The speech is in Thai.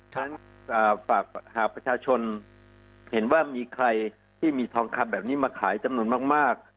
ฉะนั้นฝากหากประชาชนเห็นว่ามีใครที่มีทองคำแบบนี้มาขายจำนวนมาก